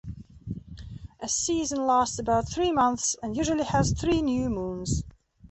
A season lasts about three months and usually has three new moons.